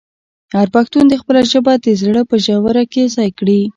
هر پښتون دې خپله ژبه د زړه په ژوره کې ځای کړي.